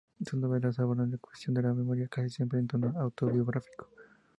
Sus novelas abordan la cuestión de la memoria, casi siempre en tono autobiográfico.